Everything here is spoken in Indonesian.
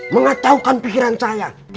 mengacaukan pikiran saya